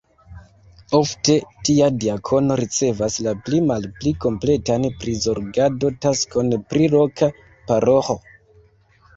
Ofte tia diakono ricevas la pli malpli kompletan prizorgado-taskon pri loka paroĥo.